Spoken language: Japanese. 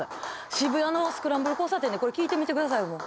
渋谷のスクランブル交差点でこれ聴いてみてくださいよ